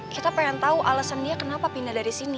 kita pengen tahu alasan dia kenapa pindah dari sini